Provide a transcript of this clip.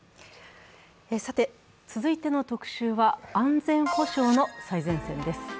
続いての特集は、安全保障の最前線です。